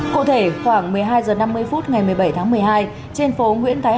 cụ thể khoảng một mươi hai h năm mươi phút ngày một mươi bảy tháng một mươi hai trên phố nguyễn thái hà